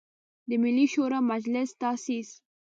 د ملي شوری مجلس تاسیس.